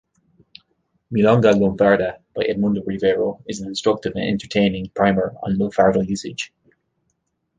"Milonga Lunfarda" by Edmundo Rivero is an instructive and entertaining primer on lunfardo usage.